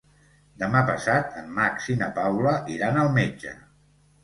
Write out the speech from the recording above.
Demà passat en Max i na Paula iran al metge.